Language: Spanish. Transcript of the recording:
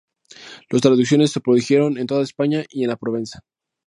Las traducciones se produjeron en toda España y en la Provenza.